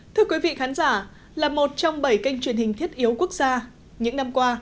thưa quý vị khán giả là một trong bảy kênh truyền hình thiết yếu quốc gia những năm qua